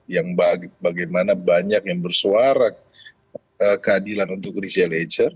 yang bagaimana banyak yang bersuara keadilan untuk ritek elacer